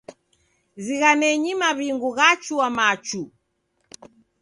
Zighanenyi maw'ingu ghachua machu.